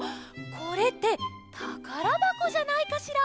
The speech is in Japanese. これって「たからばこ」じゃないかしら？